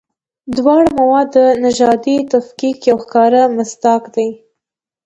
دواړه موارد د نژادي تفکیک یو ښکاره مصداق دي.